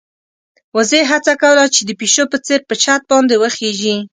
وزې هڅه کوله چې د پيشو په څېر په چت باندې وخېژي.